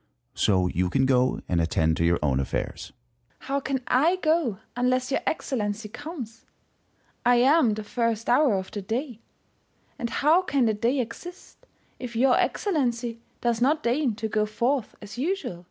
So you can go and attend to your own affairs. First Hour. How can I go unless your Excellency comes ? I am the first Hour of the day, and how can the day exist, if your Excellency does not deign to go forth as usual